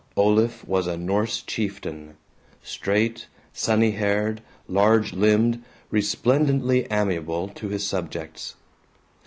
Olaf was a Norse chieftain: straight, sunny haired, large limbed, resplendently amiable to his subjects.